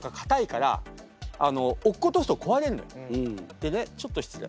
でねちょっと失礼。